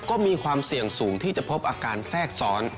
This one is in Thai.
ก็มีความเสี่ยงสูงที่จะพบอาการแทรกซ้อน